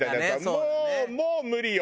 もうもう無理よ。